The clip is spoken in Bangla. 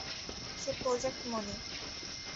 সে প্রজেক্ট মণি।